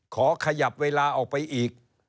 ขอขยับเวลาออกไปอีก